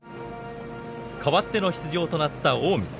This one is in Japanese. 代わっての出場となった近江。